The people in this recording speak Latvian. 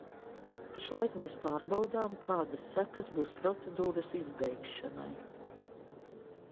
Pašlaik mēs pārbaudām, kādas sekas būs procedūras izbeigšanai.